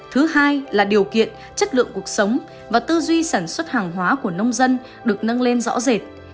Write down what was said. thứ hai là điều kiện chất lượng cuộc sống và tư duy sản xuất hàng hóa của nông dân được nâng lên rõ rệt